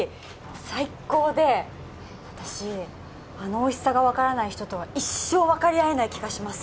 最高で私あのおいしさが分からない人とは一生分かり合えない気がします